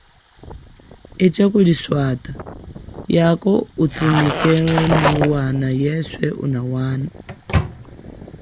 Echa kuliswata, yako uthumike muwana yeswe unafupa.